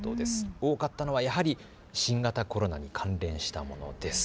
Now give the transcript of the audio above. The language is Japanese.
多かったのはやはり新型コロナに関連したものです。